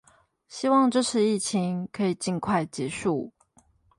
希望這次疫情可以盡快結束